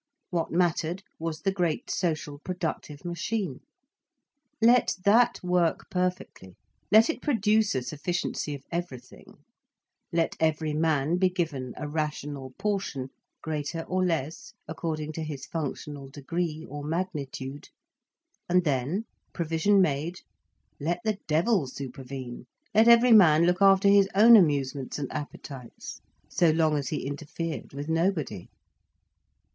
What mattered was the great social productive machine. Let that work perfectly, let it produce a sufficiency of everything, let every man be given a rational portion, greater or less according to his functional degree or magnitude, and then, provision made, let the devil supervene, let every man look after his own amusements and appetites, so long as he interfered with nobody.